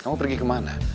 kamu pergi kemana